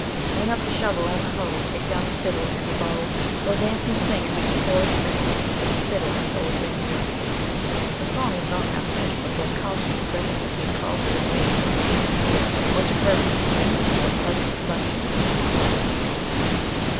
"Hang up the shovel and the hoe, Take down the fiddle and the bow, We'll dance and sing, And make the forest ring, With the fiddle and the old banjo." The song was not half finished before Carlton regretted that he had caused the young lady to remain and hear what to her must be anything but pleasant reflections upon her deceased parent.